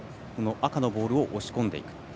赤のボールを押し込んでいくと。